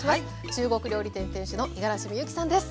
中国料理店店主の五十嵐美幸さんです。